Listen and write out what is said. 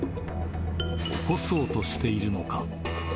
起こそうとしているのか。